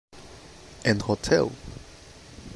An hotel